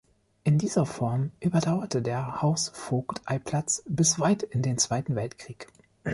In dieser Form überdauerte der Hausvogteiplatz bis weit in den Zweiten Weltkrieg.